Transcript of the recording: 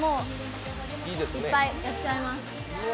いっぱいやっちゃいます。